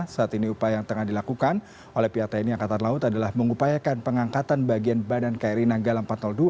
saat ini upaya yang tengah dilakukan oleh pihak tni angkatan laut adalah mengupayakan pengangkatan bagian badan kri nanggala empat ratus dua